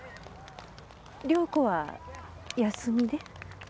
良子は休みで。